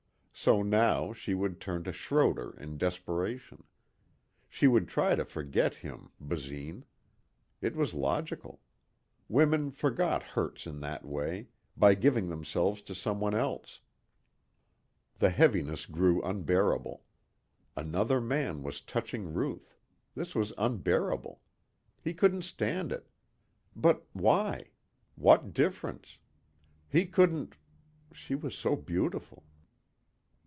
So now she would turn to Schroder in desperation. She would try to forget him, Basine. It was logical. Women forgot hurts in that way by giving themselves to someone else. The heaviness grew unbearable. Another man was touching Ruth. This was unbearable. He couldn't stand it. But why? What difference? He couldn't.... She was so beautiful.